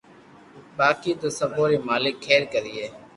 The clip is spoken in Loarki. باقي تو سبو ري مالڪ کير ڪري